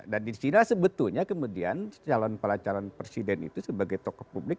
dan disini sebetulnya kemudian calon calon presiden itu sebagai tokoh publik